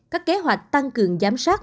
các kế hoạch tăng cường giám sát